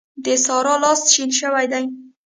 د سارا لاس شين شوی دی.